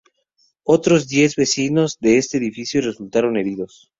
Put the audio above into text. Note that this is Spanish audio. Otros diez vecinos de ese edificio resultaron heridos.